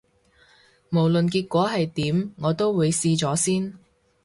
無論結果係點，我都會試咗先